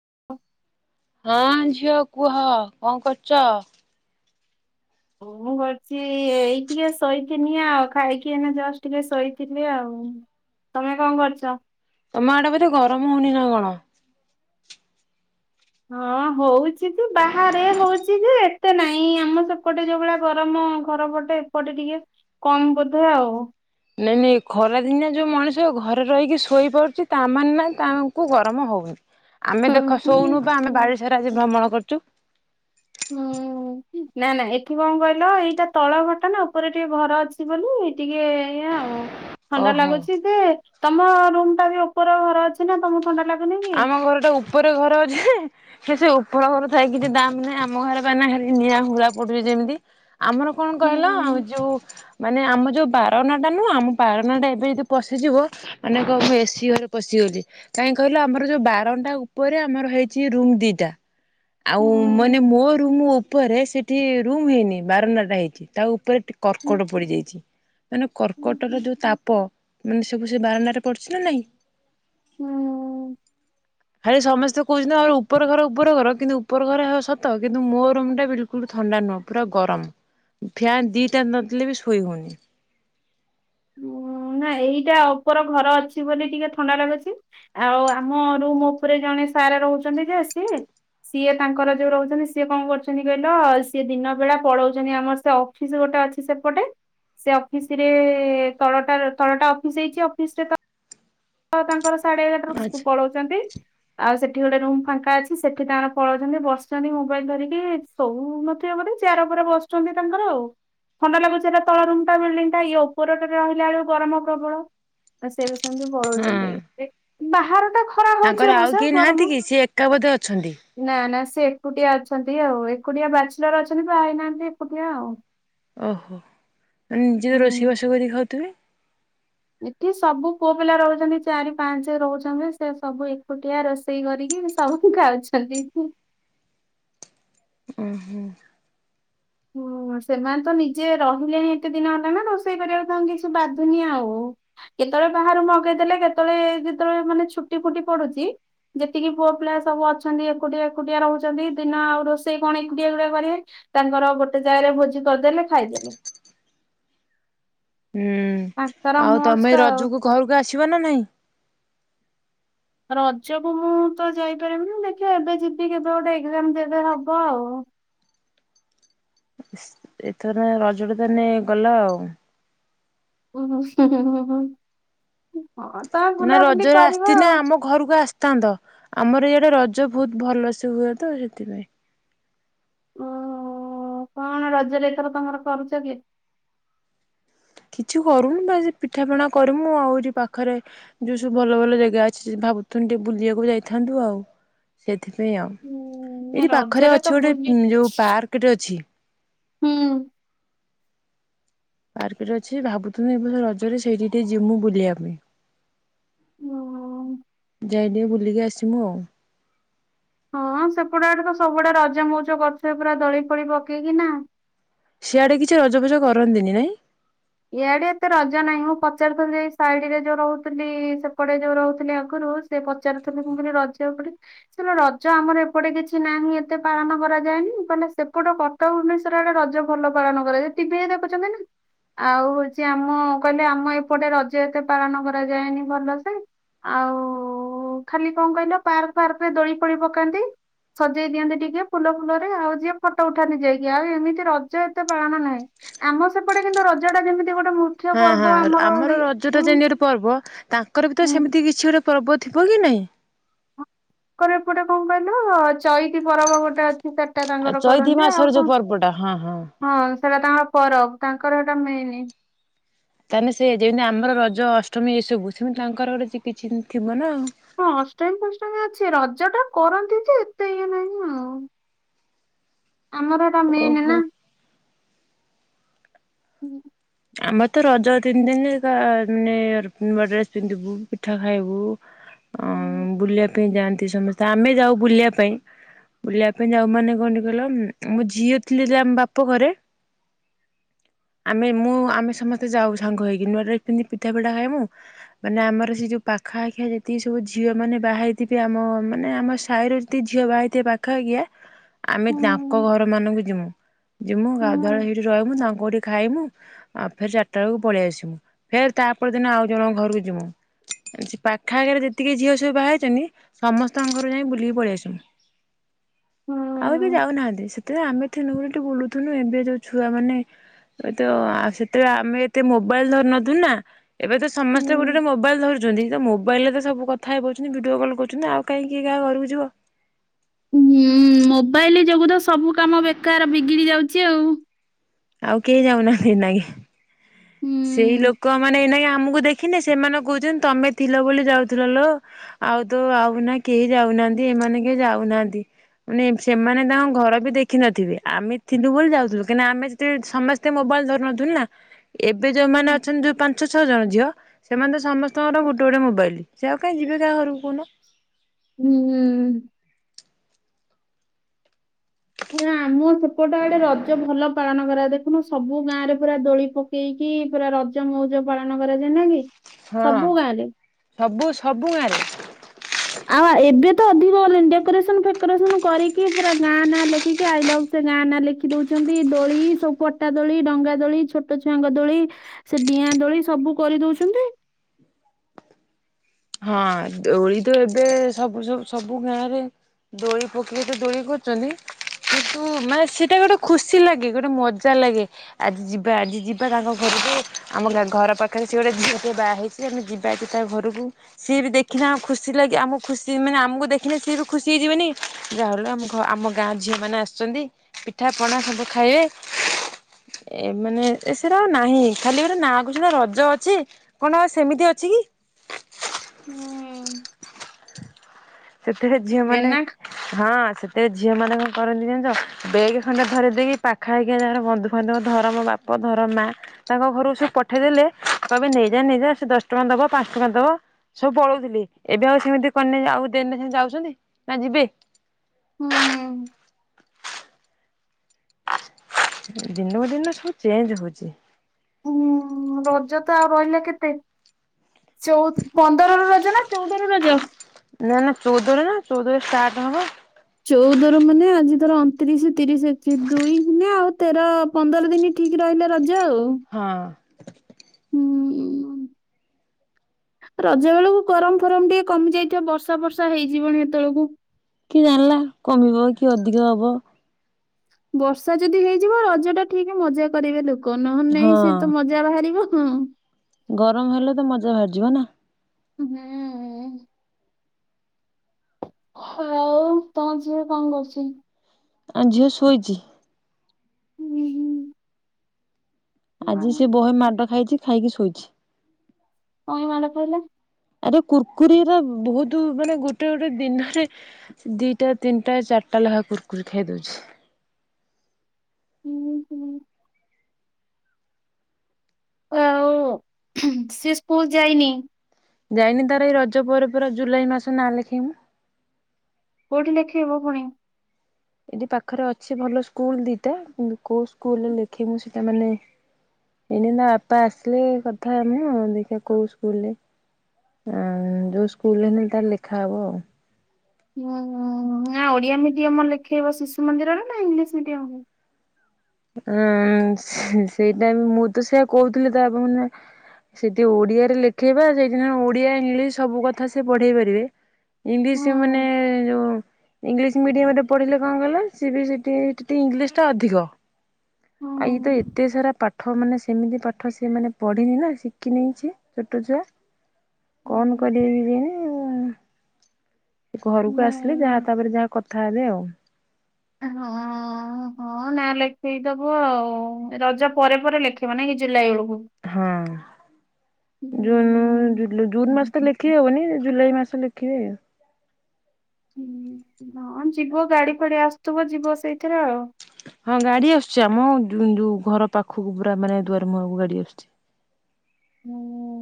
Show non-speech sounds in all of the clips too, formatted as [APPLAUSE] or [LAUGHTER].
[UNINTELLIGIBLE] ହଁ ଝିଅ କୁହ କଣ କରୁଚ ହ ମୁଁ କରଛି ଏଇ ଟିକେ ଶୋଇିଥିନି ଆଉ ଖାଇକି ଜଷ୍ଟ ଟିକେ ଶୋଇଥିଲି ଆଉ ତମେ କଣ କରୁଛ। ତମ ଆଡେ ବଧେ ଗରମ ହଉନି ନା କଣ ହଁ ହଉଛି [UNINTELLIGIBLE] ବାହାରେ ହଉଛି ଯେ ଏତେ ନାଇଁ ଆମ ସେପଟେ ଯୋଉ ଭଳିଆ ଗରମ ଘର ପଟେ ଏପଟେ ଟିକେ କମ ବଧେ ଆଉ ନାଇଁ ନାଇଁ ଖରା ଦିନିଆ ଯୋଉ ମଣିଷ ଘରେ ରହିକି ଶୋଇପାରୁଛି ତାମାନେ ନା ତାଙ୍କୁ ଗରମ ହଉନି। ଆମେ ହୁଁ ଦେଖ ହୁଁ ଶୋଉନୁ ବା ଆମେ ବାରିଶାର ଆଜି ଭ୍ରମଣ କରୁ ଟୁ [INAUDIBLE] ହୁଁ, ନା, ନା ଏଠି କଣ କହିଲ ଏଇଟା ତଳ ଘଟା ନା ଉପରେ ଟିକେ ଘର ଅଛି, ବୋଲି ଟିକେ ଏୟା ଆଉ। ଥଣ୍ଡା ଓହୋ। ଲାଗୁଛି, ଯେ ତମ ରୁମ ଟା ବି ଉପର ଘର ଅଛି, ନା ତମକୁ ଥଣ୍ଡା ଲାଗ ଆମ ଘର ଟା ଉପରେ ଘର ଅଛି, ସେ, ସେ ଉପର ଘର ଥାଇ କିଛି ଦାମ୍ ନାହିଁ, ଆମ ଘରେ ପାଇଁ ଖାଲି ନିଆଁ ହୁଳା ପଡୁଛି, ଯେମିତି ଆମର କଣ ହୁଁ କହିଲ, ଆ ଯୋଉ ମାନେ ଆମ ଯୋଉ ପାରନା ଟା ନୁହଁ, ଆମ ପାରନା ଟା ଏବେ ଯଦି ପଶିଯିବ ମାନେ କହିବ ଏସିି ଘରେ ପଶିଗଲି, କାହିଁ କହିଲ ଆମ ଆମର ଯୋଉ ବାରଣ୍ଡା ଉପରେ ଆମର ହେଇଛି, ରୁମ ଦିଟା ଆଉ ହୁଁ ମାନେ ମୋ ରୁମ ଉପରେ ସେଠି ରୁମ ହେଇନି, ବାରଣ୍ଡା ଟା ହେଇଛି, ତା ଉପରେ ହୁଁ କର୍କଟ ପଡିଯାଇଛି। ମାନେ କର୍କଟ ହୁଁ। ର ଯୋଉ ତାପ ମାନେ ସବୁ ସେ ବାରଣ୍ଡରେ ପଡୁଛି, ନା ନାଇଁ। ହୁଁ। ଆରେ ସମସ୍ତେ କହୁଛନ୍ତି, ଆ ଉପର ଘର ଉପର ଘର କିନ୍ତୁ ଉପର ଘର ହେ ସତ କିନ୍ତୁ ମୋ ରୁମ ଟା ବିଲକୁଲ ଥଣ୍ଡା ନୁହଁ, ପୁରା ଗରମ, ଫ୍ୟାନ ଦିଟା ନଦେଲେ ବି ଶୋଇ ହଉନି। ଉ, ନା ଏଇଟା ଉପର ଘର ଅଛି, ବୋଲି ଟିକେ ଥଣ୍ଡା ଲାଗୁଛି, ଆଉ ଆମ ରୁମ ଉପରେ ଜଣେ ସାର୍ ରହୁଛନ୍ତି, ଯେ ସିଏ, ସିଏ ତାଙ୍କର ଯୋଉ ରହୁଛନ୍ତି, ସିଏ କଣ କରୁଛନ୍ତି କହିଲ ସିଏ ଦିନ ବେଳା ପଳଉଛନ୍ତି, ଆମର ସେ ଅଫିସ ଗୋଟେ ଅଛି, ସେପଟେ ସେ ଅଫିସ ରେ ତଳଟା, ତଳଟା ଅଫିସ ହେଇଛି, ଅଫିସରେ ତ ତ ତାଙ୍କର ସାଢେ ଏଗାରଟା ରୁ ସେ ଆଚ୍ଛା ପଳଉଛନ୍ତି, ଆଉ ସେଠ ଏଠି ଗୋଟେ ରୁମ ଫାଙ୍କା ଅଛି, ସେଠି ତାଙ୍କର ପଳଉଛନ୍ତି, ବସୁଛନ୍ତି, ମୋବାଇଲ ଧରିକି ସୋଉ ନଥିବେ ବୋଧେ ଚେୟାର ଉପରେ ବସୁଛନ୍ତି, ତାଙ୍କର ଆଉ ଥଣ୍ଡା ଲାଗୁଚି, ହେଟା ତଳ ରୁମ ଟା ବିଲଡିଙ୍ଗ ଟା ଇଏ ଉପରଟାରେ ରହିଲା ବେଳକୁ ଗରମ ପ୍ରବଳ, ସେ ବି ସେମିତି ହଁ [INAUDIBLE] ବାହାର ଟା ଖରା ହଉଛି ତାଙ୍କର ଆଉ ଅବଶ୍ୟ କେହି ଗରମ। ନାହାନ୍ତି, କି ସେ ଏକବୋଧେ ଅଛନ୍ତି। ନା ନା ସେ ଏକୁଟିଆ ଅଛନ୍ତି, ଆଉ ଏକୁଟିଆ ବ୍ୟାଚେଲର ଅଛନ୍ତି, ବାହା ହେଇନାହାନ୍ତି, ଏକୁଟିଆ ଆଉ। ଓହୋ, ନିଜେ ତ ରୋଷେଇ ହୁଁ। ବାସ କରିକି ଖାଉଥିବେ। ଏଠି ସବୁ ପୁଅ ପିଲା ରହୁଛନ୍ତି, ଚାରି ପାଞ୍ଚ ରହୁଛନ୍ତି, ସେ, ସବୁ ଏକୁଟିଆ ରୋଷେଇ କରିକି ସବୁ ଖାଉଛନ୍ତି। ଉଁ, ହୁଁ ହୁଁ, ସେମାନେ ତ ନିଜେ ରହିଲେଣି ଏତେ ଦିନ ହେଲା, ନା ରୋଷେଇ କରିବାକୁ ତାଙ୍କୁ କିଛି ବାଧୁନି, ଆଉ କେତେବେଳେ ବାହାରୁ ମଗେଇଦେଲେ, କେତେବେଳେ ଯେତେବେଳେ ମାନେ ଛୁଟି ଫୁଟି ପଡୁଛି, ଯେତିକି ପୁଅ ପିଲା ସବୁ ଅଛନ୍ତି, ଏକୁଟିଆ, ଏକୁଟିଆ ରହୁଛନ୍ତି, ଦିନ ଆଉ ରୋଷେଇ କଣ ଏକୁଟିଆ ଏକୁଟିଆ କରିବେ, ତାଙ୍କର ଗୋଟେ ଜାଗାରେ ଭୋଜି କରିଦେଲେ, ଖାଇଦେଲେ। ହୁଁ, ତାଙ୍କର ଆଉ ମସ୍ତ ତମେ ଆଉ ରଜକୁ ଘରୁକୁ ଆସିବ, ନା ନାଇଁ। ରଜକୁ ମୁଁ ତ ଯାଇପାରିବିନି, ଦେଖିଆ ଏବେ ଯିବି, କେବେ ଗୋଟେ ଏକ୍ଜାମ ଯେବେ ହବ, ଆଉ। ଏଥର ନା ରଜଟା ତାନେ ଗଲା, ଆଉ। [INAUDIBLE] ନା ବୁଲାବୁଲି ରଜରେ କରିବ ଆସିଥିନେ ଆଉ। ଆମ ଘରକୁ ଆସିଥାନ୍ତ, ଆମର ଏଇ ରଜ ବହୁତ ଭଲ ସେ ହୁଏ, ତ ସେଥିପାଇଁ। ଓ, କଣ ରଜରେ ଏଥର ତମର କରୁଛ କି? କିଛି କରୁନୁ ବା ସେ ପିଠା ପଣା କରିମୁ, ଆଉ ଏଠି ପାଖରେ ଯୋଉ ସବୁ ଭଲ ଭଲ ଜେଗା ଅଛି, ଭାବୁଥୁନୁ ଟିକେ ବୁଲିବାକୁ ଯାଇଥାନ୍ତୁ, ଆଉ ସେଥିପାଇଁ ଆଉ ହୁଁ ଏଇଠି ପାଖରେ ରଜରେ ତ ଅଛି, ବୁଲି ଗୋଟେ ଯୋଉ ପାର୍କ ଟେ ଅଛି। ହୁଁ ପାର୍କରେ ଅଛି ଭାବୁଥିଲି ଏବେ ରଜରେ ସେଇଠି ଟିକେ ଯିମୁ ବୁଲିବା ପାଇଁ ହଁ ଯାଇଡି ବୁଲିକି ଆସିମୁ ଆଉ ହଁ ସେପଟେ ଗଡେ ତ ସବୁଆଡେ ରଜ ମଉଜ କରିଥିବେ ପୁରା ଦୋଳି ଫୋଳି ପକେଇକି ନା ସିଆଡେ କିଛି ରଜଫଜ କରନ୍ତି ନି ନାଇଁ ଇଆଡେ ଏତେ ରଜ ନାହିଁ ମୁଁ ପଚାରୁଥିଲି ଏ ସାଇଡରେ ଯୋଉ ରହୁଥିଲି ସେପଟେ ଯୋଉ ରହୁଥିଲି ଆଗରୁ ସେ ପଚାରୁଥିଲି ମୁଁ କହିଲି ରଜ ଏପଟେ ରଜ ଆମର ଏପଟେ କିଛି ନାହିଁ ଏତେ ପାଳନ କରାଯାଏନି କହିଲେ ସେପଟେ କଟକ ଭୁବନେଶ୍ୱର ଆଡେ ରଜ ଭଲ ପାଳନ କରାଯାଏ ଟିଭିରେ ଦେଖୁଛନ୍ତି ନା ଆଉ ହଉଛି ଆମ କହିଲେ ଆମ ଏପଟେ ରଜ ଏତେ ପାଳନ କରାଯାଏନି ଭଲ ସେ ଆଉ ଖାଲି କଣ କହିଲ ପାର୍କ ଫାର୍କରେ ଦୋଳି ପୋଡି ପକାନ୍ତି ସଜେଇ ଦିଅନ୍ତି ଟିକେ ଫୁଲ ଫୁଲରେ ଆଉ ଯିଏ ଫଟୋ ଉଠାନ୍ତି ଯାଇକି ଆଉ ଏମିତି ରଜ ଏତେ ପାଳନ ନାହିଁ ଆମ ସେପଟେ କିନ୍ତୁ ରଜଟା କେମିତି ହଁ ହଁ ଆମର ରଜଟା ଯେମିତି ଗୋଟେ ପର୍ବ ତାଙ୍କର ବି ତ ସେମିତି କିଛି ଗୋଟେ ପର୍ବ ଥିବ କି ନାଇଁ ତାଙ୍କର ଏପଟେ କଣ କହିଲ ଚଇତି ପରବ ଗୋଟେ ଅଛି। ସେଟା ଆଉ ତାଙ୍କର ଚୈତି କରନ୍ତି ଆଉ ମାସର ଯୋଉ କଣ ପର୍ବଟା ହଁ ହଁ ସେଟା ତାଙ୍କର ପର ତାଙ୍କର ଏଇଟା ମେନ ତାମେ ସେ ଯେମିତି ଆମର ରଜ ଅଷ୍ଟମୀ ଏସବୁ ସେମିତି ତାଙ୍କର ଗୋଟେ କିଛି ଥିବ ନା ଆଉ ହଁ ଅଷ୍ଟମୀ ଫଷ୍ଟମୀ ଅଛି ରଜ ଟା କରନ୍ତି ଯେ ଏତେ ଇଏ ନାହିଁ ଆଉ ଆମର ଏଟା ମେନ୍ ଓହୋ। ନା [INAUDIBLE] ଆମେ ତ ରଜ ତିନି ଦିନ ମାନେ ନୂଆ ଡ୍ରେସ ପିନ୍ଧିବୁ ପିଠା ଖାଇବୁ ଅ ହୁଁ। ବୁଲି ଯାଆନ୍ତି ସମସ୍ତେ ଆମେ ଯାଉ ବୁଲିବା ପାଇଁ ବୁଲିବା ପାଇଁ ଯାଉ ମାନେ କଣ କହିଲ ମୋ ଝିଅ ଥିଲି ଆମ ବାପ ଘରେ ଆମେ ମୁଁ ଆମେ ସମସ୍ତେ ଯାଉ ସାଙ୍ଗ ହେଇକି ନୂଆ ଡ୍ରେସ ପିନ୍ଧି ପିଠା ପଣା ଖାଏ ମୁଁ ମାନେ ଆମର ସେ ଯୋଉ ପାଖା ପାଖିଆ ଯେତିକି ସବୁ ଝିଅ ମାନେ ବାହାହେଇଥିବେ ଆମ ମାନେ ଆମ ସାହିର ଯେତିକି ଝିଅ ବାହାହେଇଥିବେ ପାଖ ପାଖିଆ ଆମେ ତାଙ୍କ ହୁଁ ଘର ମାନଙ୍କୁ ଯିମୁ ଯିମୁ ଗାଧୁଆହୋଇ ସେଇଠି ରହିବୁ ତାଙ୍କୁ ଏଠି ଖାଇମୁ ଆଉ ଫେର ଚାରିଟା ବେଳକୁ ପଳେଇ ଆସିବୁ ଫେର ତା ପର ଦିନ ଆଉ ଜଣଙ୍କ ଘରକୁ ଯିବୁ ସେ ପାଖ ଆଖରେ ଯେତିକି ଝିଅ ସବୁ ବାହା ହେଇଛନ୍ତି ସମସ୍ତଙ୍କ ଘର ଯାଇି ବୁଲିକି ପଳେଇ ଆସିମୁ। ଆଉ ଏବେ ଯାଉନାହାନ୍ତି ସେଥିପାଇଁ ଆମେ ତ ଏବେଠୁ ବୁଲୁଥିଲୁ ଏବେ ଯୋଉ ଛୁଆମାନେ ତ ଆଉ ସେତେବେଳେ ଆମେ ଏତେ ମୋବାଇଲ ଧରୁନଥିଲୁ ନା ଏବେ ତ ସମସ୍ତେ ଗୋଟେ ଗୋତେ ମୋବାଇଲ ଧରୁ ଯଦି ମୋବାଇଲରେ ତ ସବୁ କଥା ହେଇପାରୁଛନ୍ତି ଭିଡିଓ କଲ୍ କରୁଛନ୍ତି ଆଉ କାହିଁକି କାହା ଘରକୁ ଯିବ। ହୁଁ ମୋବାଇଲ ଯୋଗୁଁ ତ ସବୁ କାମ ବେକାର ବିଗିଡ଼ି ଯାଉଛି ଆଉ। ଆଉ କେହି ଯାଉନାହାନ୍ତି ନେଇ। ସେଇ ହୁଁ। ଲୋକମାନେ ଏନା ଆମକୁ ଦେଖିନି ସେମାନେ କହୁଛନ୍ତି ତମେ ଥିଲ ବୋଲି ଯାଉଥିଲ ଲୋ ଆଉ ତ ଆଉ ନା କେହି ଯାଉନାହାନ୍ତି ଏମାନେ କେହି ଯାଉନାହାନ୍ତି ମାନେ ସେମାନେ ତାଙ୍କ ଘର ବି ଦେଖିନଥିବେ ଆମେ ଥିଲୁ ବୋଲି ଯାଉଥିଲୁ କାହିଁକି ନା ଆମେ ସମସ୍ତେ ମୋବାଇଲ ଧରୁନଥିଲୁ ନା ଏବେ ଯେଉମାନେ ଅଛନ୍ତି ଯୋଉ ପାଞ୍ଚ ଛଅ ଜଣ ଝିଅ ସେମାନେ ତ ସମସ୍ତଙ୍କର ଗୋଟେ ଗୋଟେ ମୋବାଇଲି ସେ ଆଉ କାଇଁ ଯିବେ କାହା ଘରୁ ଉଁ ଆମ ସେପଟେ ଆଡେ ରଜ ଭଲ ପାଳନ କରା ଦେଖୁନୁ ସବୁ ଗାଁ ରେ ପୁରା ଦୋଳି ପକେଇକି ପୁରା ରଜ ମଉଜ ପାଳନ କରାଯାଏ ନା କି ହଁ ସବୁ ଗାଁ ରେ। ସବୁ ସବୁ ଗାଁରେ ଆଉ ଏବେ ତ ଅଧିକଣି ଡେକୋରେସନ ଫକୋସନ କରିକି ପୁରା ଗାଁ ନାଁ ଲେଖିକି ସେ ଗାଁ ନାଁ ଲେଖି ଦଉଛନ୍ତି ଦୋଳି ସବୁ କଟା ଦୋଳି ଡଙ୍ଗା ଦୋଳି ଛୋଟ ଛୁଆଙ୍କ ଦୋଳି ସେ ଡିଆଁ ଦୋଳି ସବୁ କରିଦଉଛନ୍ତି। ହଁ ଦୋଳି ତ ଏବେ ସବୁ ସବୁ ସବୁ ଗାଁରେ ଦୋଳି ପକେଇ ତ ଦୋଳି କରୁଛନ୍ତି କିନ୍ତୁ ମାନେ ସେଟା ଗୋଟେ ଖୁସି ଲାଗେ ଗୋଟେ ମଜା ଲାଗେ ଆଜି ଯିବା ଆଜି ଯିବା ତାଙ୍କ ଘରକୁ ଆମ ଘର ପାଖରେ ସେ ଗୋଟେଅ ବାହା ହେଇଛି ଆମେ ଯିବା କି ତା ଘରକୁ ସିଏ ବି ଦେଖିଲେ ଆମ ଖୁସି ଲାଗେ ଆମକୁ ଖୁସି ମାନେ ଆମକୁ ଦେଖିଲେ ସିଏ ବି ଖୁସି ହେଇଯିବନି ଯାହାହେଲେ ଆମ ଆମ ଗାଁ ଝିଅ ମାନେ ଆସୁଛନ୍ତି ପିଠା ପଣା ସବୁ ଖାଇବେ ଏମାନୋନେ ଏସର ନାହିଁ ଖାଲି ଗୋଟେ ନା କ ସନା ରଜ ଅଛି କଣ ସେମିତି ଅଛି କି? ହୁଁ ସେଥିରେ ଝିଅ ମାନେ ଏନା ହଁ ସେଥିଅ ଝିଅ ମାନଙ୍କ କରନ୍ତି ଜଣିଛ ବେଗ୍ ଖଣ୍ଡେ ଧରି ଦେଇେଇକି ପାଖା ହେଇକି ଯାର ବନ୍ଧୁବାନ୍ଧବ ଧରମ ବାପ ଧରମ ମା ତାଙ୍କ ଘରୁକୁ ସବୁ ପଠେଇଦେଲେ କହିବେ ନେଇଯା ନେଇଯା ସେ ଦଶ ଟଙ୍କା ଦବ ପାଞ୍ଚ ଟଙ୍କା ଦବ ସବୁ ପଳଉଥିଲି ଏବେ ଆଉ ସେମି କେ ଯଉ ଦେନ ସେ ଯାଉଛନ୍ତି ନା ଯିବେ ହୁଁ ଦିନକୁ ଦିନ ସବୁ ଚେଞ୍ଜ ହଉଛି ହୁଁ ରଜ ତ ଆଉ ରହିଲା କେତେଉ ପନ୍ଦର ର ରଜ ନା ଚଉଦ ର ରଜ? ନା ନା ଚଉଦରେ ନା ଚଉଦ ରେ ଷ୍ଟାର୍ଟ ହବ। ଚଉଦ ର ମାନେ ଆଜି ତର ଅଣତିରିଶ ତିରିଶଶ ଦୁଇ ଆଉ ତେର ପନ୍ଦର ଦିନ ଠିକ୍ ରହିଲେ ର ଯାଉ ହ ହୁଁ ରଜ ବେଳକୁ ଗରମ ଫରମ ଟିକେ କମି ଯାଇଥିବ ବର୍ଷା ବର୍ଷା ହେଇଯିବନି ଏତେବେଳକୁ କି ଜାଣିଲା କମିବ କି ଅଧିକ ହବ ବର୍ଷା ଯଦି ହେଇଯିବ ରଜ ଟା ଠିକ ମଜା କରିବେ ଲୋକ ନହ ହଁ ନେଇାଇ ସେ ତ ମଜା ବାହାରିବ। ହଁ ଗରମ ହେଲେ ତ ମଜା ବାହାରିଯିବ ନା। ହୁଁ ହଉ ତମ ଯିବ କଣ କରୁଛି? ଆଁ ଝିଅ ଶୋଇଛି। ହୁଁ ହୁଁ। ଆଜି ସେ ବହେ ମାଡ ଖାଇଛି ଖାଇକି ଶୋଇଛି। କାଇଁ ମାଡ଼ ଖାଇଲା? ଆରେ କୁୁରକୁରିରା ବହୁତ ମାନେ ଗୋଟେ ଗୋଟେ ଦିନରେ ଦିଟା ତିନିଟା ଚାରିଟା ଲେଖା କୁୁରକୁରି ଖାଇ ଦଉଛି। ହୁଁ ହ ହୁଁ। ଆଉ ସେ ସ୍କୁଲ ଯାଇନି। ଯାଇନି ତାର ଏଇ ରଜ ପରେ ପରା ଜୁଲାଇ ମାସ ନା ଲେଖେ ମୁୁ କୋଉଠି ଲେଖେଇବ ପୁଣି? ଏଠି ପାଖରେ ଅଛି ଭଲ ସ୍କୁଲ ଦିଟା କୁ କୋଉ ସ୍କୁଲରେ ଲେଖେ ମୁଁ ସେଇଟା ମାନେ ଏଇନି ତା ବାପା ଆସିଲେ କଥା ହେ ମୁଁ ଦେଖିବା କୋଉ ସ୍କୁଲରେ ଯୋଉ ସ୍କୁଲରେ ହେ ତାର ଲେଖା ହବ ଆଉ। ନା ଓଡିଆ ମିଡିୟମ ଲେଖେଇବ ଶିଶୁ ମନ୍ଦିରରେ ନା ଇଂଲିଶ ମିଡିୟମ ରେ ହଁ ସେଇଟା ବି ମୁଁ ତ ସେଇଆ କହୁଥିଲି ତ ଆପଣ ସେଇଠି ଓଡିଆରେ ଲେଖେଇବା ସେଇଠି ଓଡିଆ ଇଂଲିଶ ସବୁ କଥା ସେ ପଢେଇ ପାରିବେ। ଇଂଲିଶରେ ମାନେ ହୁଁ ଯଉ ଇଂଲିଶ ମିଡିୟମ ରେ ପଢିଲେ କଣ କହିଲ ସଏ ବି ସେ ଇଂଲିଶ ଟା ଅଧିକ ହୁଁ ଆଉ ଇ ତ ଏତେ ସାରା ପାଠ ମାନେ ସେମିତି ପାଠ ସେ ମାନେ ପଢିନି ନା ଶିଖି ନେଇଛି ଛୋଟ ଛୁଆ। କଣ କରେଇବିନି? ସେ ଘରକୁ ଆସିଲେ ହୁଁ। ଯାହା ତାପରେ ଯାହା କଥା ହେବେ ଆଉ ହଁ ହଁ ନା ଲେଖେଇଦବ ଆଉ ରଜ ପରେ ପରେ ଲେଖେଇବ ନାଇଁ କି ଜୁଲାଇ ବେଳକୁ ହଁ ଜୁନ ଜୁନ୍ ମାସ ତ ହୁଁ। ଲେଖି ହବନି ଜୁଲାଇ ମାସ ଲେଖିବେ। ହୁଁ ହଁ ଯିବ ଗାଡି ଫାଡି ଆସୁଥିବ ଯିବ ସେଇଥିରେ ଆଉ। ହଁ ଗାଡି ଆସୁଛି ଆମ ଯୋଉ ଘର ପାଖକୁ ପୁରା ମାନେ ଦୁଆର ମୁହାକୁ ଗାଡି ଆସୁଛି। ହୁଁ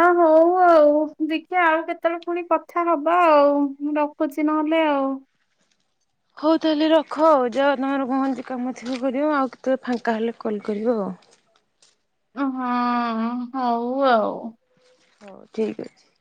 ଆ ହଉ ଆଉ ଦେଖିବା ଆଉ କେତେବେଳେ ପୁଣି କଥା ହବା ଆଉ ମୁ ରଖୁଛି ନହେଲେ ଆଉ। ହଉ ତାହେଲେ ରଖ ଯାଅ ତମର ପହଞ୍ଚି କାମ ଥିବ କରିବ ଆଉ କେତେବେଳେ ଫାଙ୍କା ହେଲେ କଲ୍ କରିବ ଆଉ। ହଁ ହଉ ଆଉ। ହଉ ଠିକ ଅଛି।